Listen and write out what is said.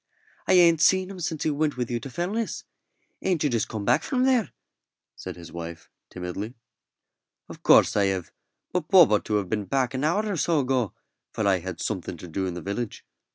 "I ain't seen him since he went with you to Fellness. Ain't you just come from there?" said his wife, timidly. "Of course I have, but Bob ought to have been back an hour or so ago, for I had something to do in the village.